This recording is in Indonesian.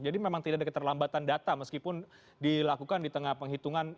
jadi memang tidak ada keterlambatan data meskipun dilakukan di tengah penghitungan